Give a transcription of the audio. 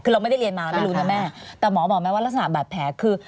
คือเราไม่ได้เรียนมาไม่รู้นะแม่แต่หมอบอกไหมว่ารักษณะบาดแผลคือ